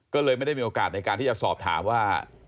ก็เลยไม่ได้มีโอกาสในการที่จะสอบถามว่า